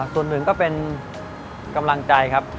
ส่วนหนึ่งก็เป็นกำลังใจครับ